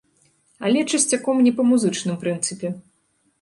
Але часцяком не па музычным прынцыпе.